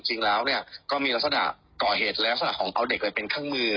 จริงแล้วเนี่ยก็มีลักษณะก่อเหตุลักษณะของเอาเด็กไปเป็นเครื่องมือ